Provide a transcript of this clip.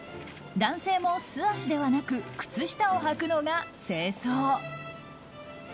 男性も素足ではなく靴下をはくのが正装。